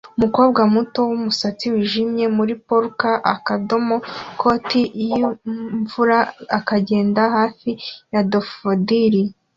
Umukobwa muto wumusatsi wijimye muri polka akadomo koti yimvura agenda hafi ya daffodili